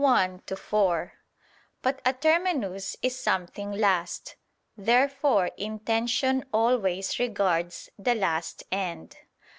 1, ad 4). But a terminus is something last. Therefore intention always regards the last end.